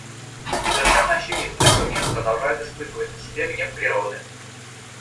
Совершенно очевидно, что мир продолжает испытывать на себе гнев природы.